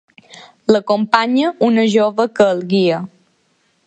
L'acompanya una jove que el guia.